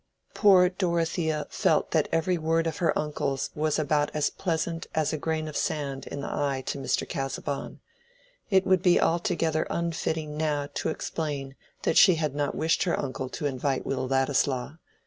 Poor Dorothea felt that every word of her uncle's was about as pleasant as a grain of sand in the eye to Mr. Casaubon. It would be altogether unfitting now to explain that she had not wished her uncle to invite Will Ladislaw.